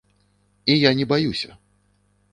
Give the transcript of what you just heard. І я не баюся.